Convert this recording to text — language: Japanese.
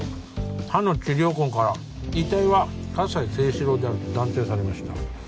歯の治療痕から遺体は葛西征四郎であると断定されました